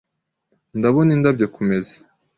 Ndabona indabyo kumeza .